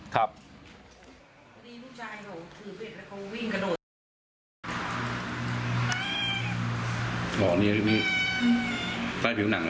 ครับ